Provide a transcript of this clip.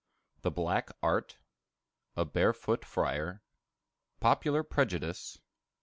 The Black Art. A Barefoot Friar. Popular Prejudice.